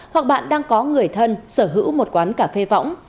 hoặc bạn đang có người thân sở hữu một quán cà phê võng